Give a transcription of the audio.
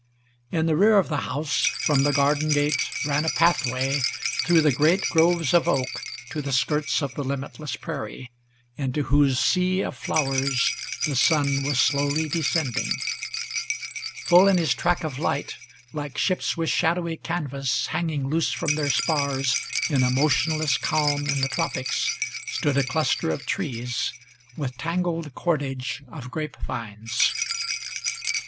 In the rear of the house, from the garden gate, ran a pathway Through the great groves of oak to the skirts of the limitless prairie, Into whose sea of flowers the sun was slowly descending. Full in his track of light, like ships with shadowy canvas Hanging loose from their spars in a motionless calm in the tropics, Stood a cluster of trees, with tangled cordage of grape vines.